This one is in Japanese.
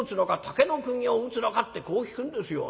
竹の釘を打つのか？』ってこう聞くんですよ。